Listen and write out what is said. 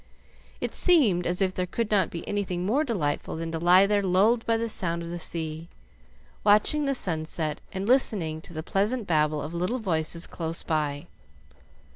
It seemed as if there could not be anything more delightful than to lie there lulled by the sound of the sea, watching the sunset and listening to the pleasant babble of little voices close by.